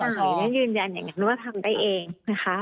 อันนี้ยืนยันอย่างนั้นว่าทำได้เองนะคะ